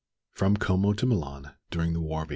FROM COMO TO MILAN DURING THE WAR OF 1848.